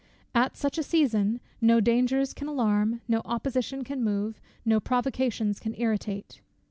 At such a season, no dangers can alarm, no opposition can move, no provocations can irritate.